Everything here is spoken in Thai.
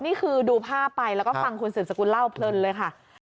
นี่คือดูภาพไปแล้วก็ฟังคุณสืบสกุลเล่าเพลินเลยค่ะ